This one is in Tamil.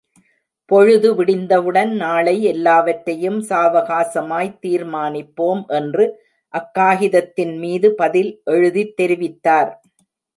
பொழுது விடிந்தவுடன் நாளை எல்லாவற்றையும் சாவகாசமாய்த் தீர்மானிப்போம் என்று அக் காகிதத்தின் மீது பதில் எழுதித் தெரிவித்தார்.